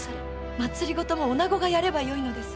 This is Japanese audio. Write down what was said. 政もおなごがやればよいのです。